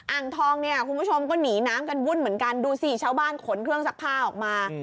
อ่างทองเนี่ยคุณผู้ชมก็หนีน้ำกันวุ่นเหมือนกันดูสิชาวบ้านขนเครื่องซักผ้าออกมา